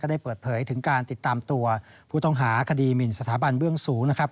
ได้เปิดเผยถึงการติดตามตัวผู้ต้องหาคดีหมินสถาบันเบื้องสูงนะครับ